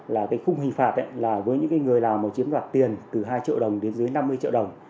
là cái khung hình phạt là với những người nào mà chiếm đoạt tiền từ hai triệu đồng đến dưới năm mươi triệu đồng